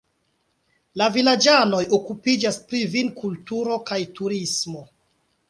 La vilaĝanoj okupiĝas pri vinkulturo kaj turismo.